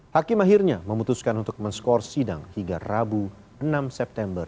hakim akhirnya memutuskan untuk men score sidang hingga rabu enam september dua ribu dua puluh tiga